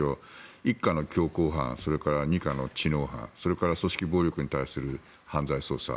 １課の強行犯それから２課の知能犯それから組織暴力に対する犯罪捜査。